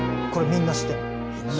みんな知ってます。